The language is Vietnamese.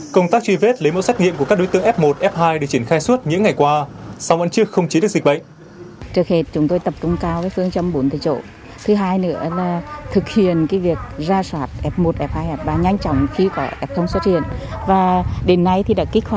công tác truy vết lấy mẫu xét nghiệm của các đối tượng f một f hai được triển khai suốt những ngày qua sau vẫn chưa khống chế được dịch bệnh